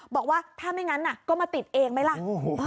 บอกว่าถ้าไม่งั้นก็มาติดเองไหมล่ะ